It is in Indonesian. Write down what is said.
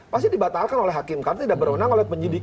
pasti dibatalkan oleh hakim karena tidak berwenang oleh penyidik